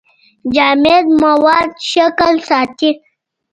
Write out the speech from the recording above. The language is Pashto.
جامد مواد شکل ساتي.